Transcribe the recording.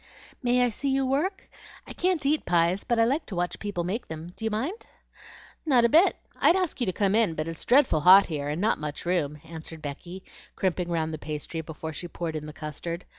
"May I see you work? I can't eat pies, but I like to watch people make them. Do you mind?" "Not a bit. I'd ask you to come in, but it's dreadful hot here, and not much room," answered Becky, crimping round the pastry before she poured in the custard.